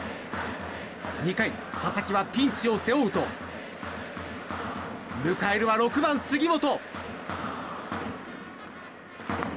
２回、佐々木はピンチを背負うと迎えるは６番、杉本。